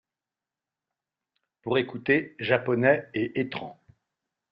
Pour écouter Japonais et Etran.